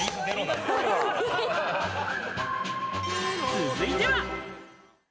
続いては。